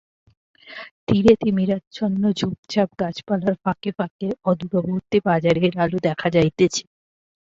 তীরে তিমিরাচ্ছন্ন ঝোপঝাপ-গাছপালার ফাঁকে ফাঁকে অদূরবর্তী বাজারের আলো দেখা যাইতেছে।